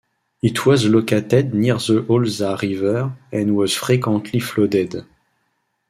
It was located near the Olza River and was frequently flooded.